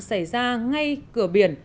xảy ra ngay cửa biển